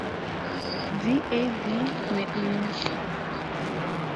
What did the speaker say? V. A. V. McMeans.